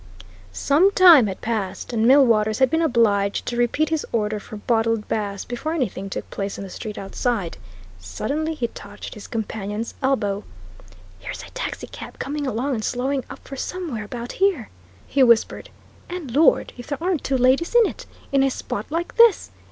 Some time had passed, and Millwaters had been obliged to repeat his order for bottled Bass before anything took place in the street outside. Suddenly he touched his companion's elbow. "Here's a taxicab coming along and slowing up for somewhere about here," he whispered. "And Lord, if there aren't two ladies in it in a spot like this!